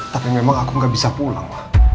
tapi memang aku nggak bisa pulang